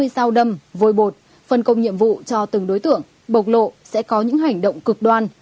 ba mươi năm mươi sao đâm vôi bột phân công nhiệm vụ cho từng đối tượng bộc lộ sẽ có những hành động cực đoan